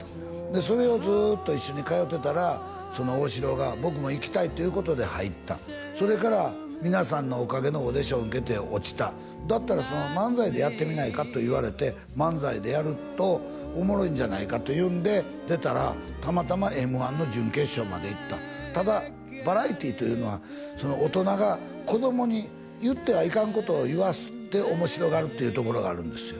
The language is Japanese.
それをずっと一緒に通ってたら旺志郎が僕も行きたいっていうことで入ったそれから「みなさんのおかげ」のオーディション受けて落ちただったらその漫才でやってみないかと言われて漫才でやるとおもろいんじゃないかというんで出たらたまたまＭ−１の準決勝までいったただバラエティーというのはその大人が子供に言ってはいかんことを言わして面白がるっていうところがあるんですよ